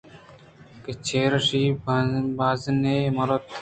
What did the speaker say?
کہ چرایشی ءَ بازینے مُرت